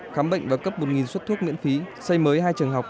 khám bệnh và cấp một suất thuốc miễn phí xây mới hai trường học